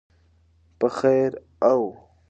په خیر او